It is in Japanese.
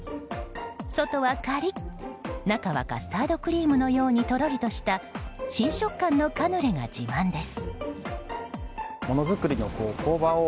外はカリッ、中はカスタードクリームのようにとろりとした新食感のカヌレが自慢です。